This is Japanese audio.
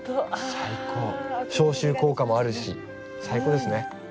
消臭効果もあるし最高ですね。